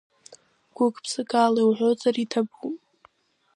Гәык-ԥсыкала иуҳәозар, иҭабуп.